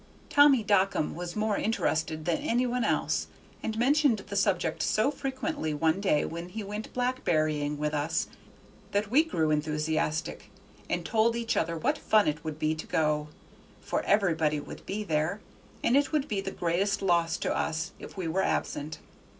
Tommy Dockum was more interested than any one else, and mentioned the subject so frequently one day when he went blackberrying with us, that we grew enthusiastic, and told each other what fun it would be to go, for everybody would be there, and it would be the greatest loss to us if we were absent.